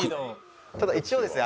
ただ一応ですね